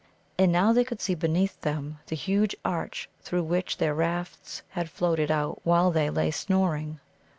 And now they could see beneath them the huge arch through which their rafts had floated out while they lay snoring.